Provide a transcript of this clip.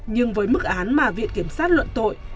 nhưng với mức án mà viện kiểm sát luận tội